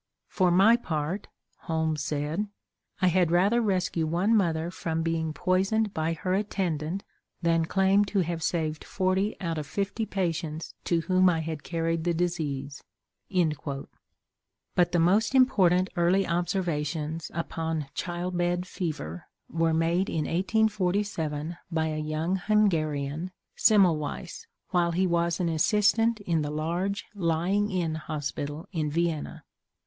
"For my part," Holmes said, "I had rather rescue one mother from being poisoned by her attendant than claim to have saved forty out of fifty patients to whom I had carried the disease." But the most important early observations upon child bed fever were made in 1847 by a young Hungarian, Semmelweiss, while he was an assistant in the large Lying in Hospital in Vienna.